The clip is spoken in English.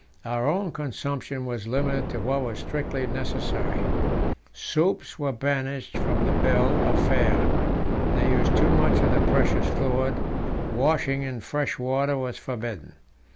Our own consumption was limited to what was strictly necessary; soups were banished from the bill of fare, they used too much of the precious fluid; washing in fresh water was forbidden.